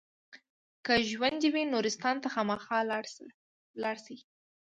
که ژوندي وي نورستان ته خامخا لاړ شئ.